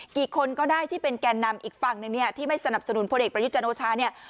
คนก็ได้ที่เป็นแก่นำอีกฝั่งหนึ่งเนี่ยที่ไม่สนับสนุนพลเอกประยุทธ์จันโอชาเนี่ย